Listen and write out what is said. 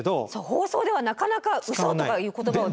放送ではなかなか「ウソ」とかいう言葉は。